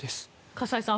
河西さん